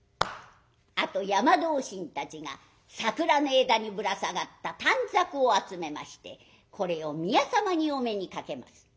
あと山同心たちが桜の枝にぶら下がった短冊を集めましてこれを宮様にお目にかけます。